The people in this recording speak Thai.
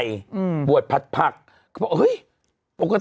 แต่อาจจะส่งมาแต่อาจจะส่งมา